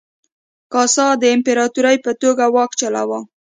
کاسا د امپراتور په توګه واک چلاوه.